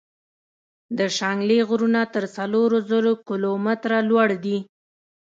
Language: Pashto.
د شانګلې غرونه تر څلور زرو کلو ميتره لوړ دي ـ